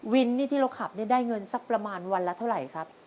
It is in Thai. ที่เราขับได้เงินสักประมาณวันละเท่าไหร่ครับ